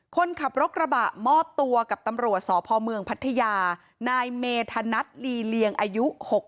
คนขับรถกระบะมอบตัวกับตำรวจสพเมืองพัทยานายเมธนัทลีเลียงอายุ๖๐